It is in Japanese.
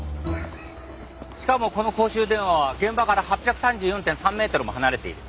しかもこの公衆電話は現場から８３４．３メートルも離れている。